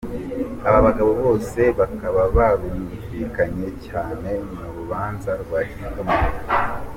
Aba bagabo Bose bakaba barumvikanye cyane mu rubanza rwa Kizito Mihigo!